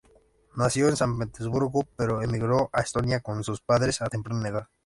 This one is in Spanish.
Nació en San Petersburgo pero emigró a Estonia con sus padres a temprana edad.